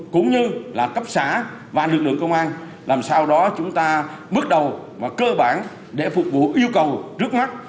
cũng như là cấp xã và lực lượng công an làm sao đó chúng ta bước đầu và cơ bản để phục vụ yêu cầu trước mắt